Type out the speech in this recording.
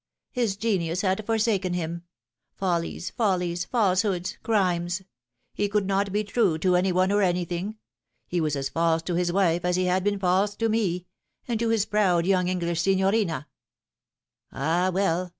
His genius had forsaken him. Follies, follies, falsehoods, crimes. He could not be true to any one or anything. He was as false to his wife as he had been false to me, and to his proud young English signorina ; ah, well